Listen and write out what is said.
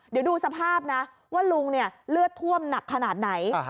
เดี๋ยวดูสภาพนะว่าลุงเลือดท่วมหนักขนาดไหน